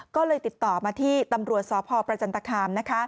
ก็เลยติดต่อมาที่ตำรวจสพประจันตคาม